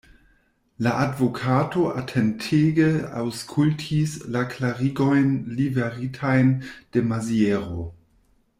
La advokato atentege aŭskultis la klarigojn liveritajn de Maziero.